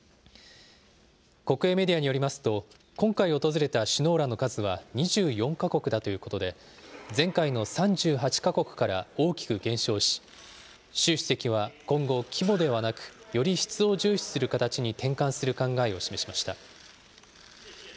国営メディアによりますと、今回訪れた首脳らの数は２４か国だということで、前回の３８か国から大きく減少し、習主席は今後、規模ではなく、より質を重視する形に転換する考えを示しました。